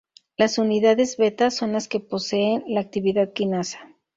Las unidades beta son las que poseen la actividad quinasa.